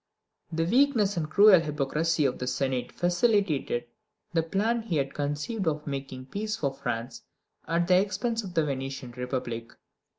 The weakness and cruel hypocrisy of the Senate facilitated the plan he had conceived of making a peace for France at the expense of the Venetian Republic.